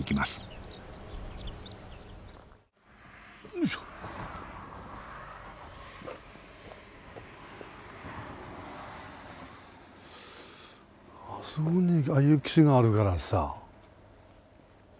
あそこにああいう木があるからさ。